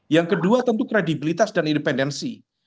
yang kedua tentu kredibilitas dan independensi